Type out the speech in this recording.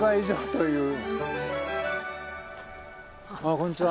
こんにちは。